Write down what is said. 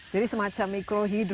jadi semacam mikro hidro itu